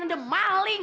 gua udah maling